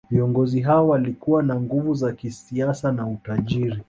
Viongozi hao walikuwa na nguvu za kisiasa na utajiri